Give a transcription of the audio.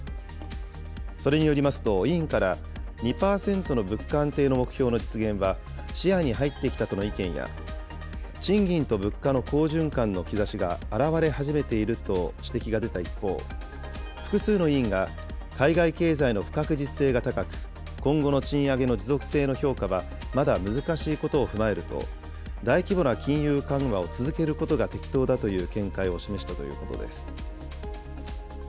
それによりますと、委員から、２％の物価安定の目標の実現は視野に入ってきたとの意見や、賃金と物価の好循環の兆しがあらわれ始めていると指摘が出た一方、複数の委員が、海外経済の不確実性が高く、今後の賃上げの持続性の評価はまだ難しいことを踏まえると、大規模な金融緩和を続けることが適当だという見解を示したということです。